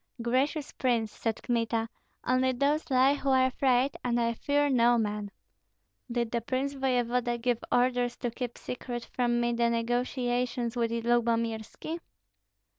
"Gracious prince," said Kmita, "only those lie who are afraid, and I fear no man." "Did the prince voevoda give orders to keep secret from me the negotiations with Lyubomirski?"